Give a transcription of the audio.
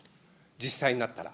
実際になったら。